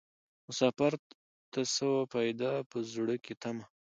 مسافر ته سوه پیدا په زړه کي تمه